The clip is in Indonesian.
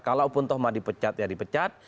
kalaupun toh mah dipecat ya dipecat